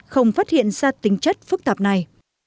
không phát hiện ra tính chất phức tạp này